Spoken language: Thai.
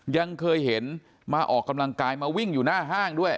ยังเคยเห็นมาออกกำลังกายมาวิ่งอยู่หน้าห้างด้วย